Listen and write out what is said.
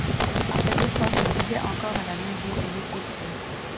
À cette époque, il vivait encore à la maison et m’écoutait.